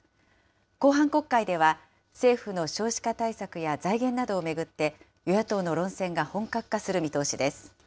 後半国会では、政府の少子化対策や財源などを巡って、与野党の論戦が本格化する見通しです。